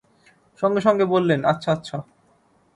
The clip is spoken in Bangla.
সঙ্গে সঙ্গে বললেন, আচ্ছা আচ্ছা।